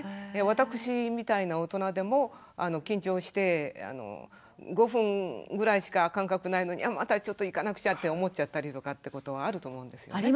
私みたいな大人でも緊張して５分ぐらいしか間隔ないのにまたちょっと行かなくちゃって思っちゃったりとかってことはあると思うんですよね。